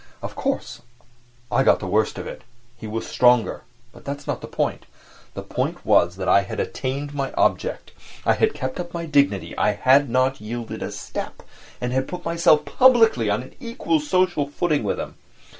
Of course, I got the worst of it—he was stronger, but that was not the point. The point was that I had attained my object, I had kept up my dignity, I had not yielded a step, and had put myself publicly on an equal social footing with him.